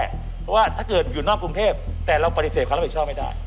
เพราะว่าถ้าเกิดอยู่นอกกรุงเทพแต่เราปฏิเสธความรับผิดชอบไม่ได้